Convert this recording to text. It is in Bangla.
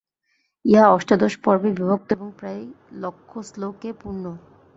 ইহা অষ্টাদশ পর্বে বিভক্ত এবং প্রায় লক্ষশ্লোকে পূর্ণ।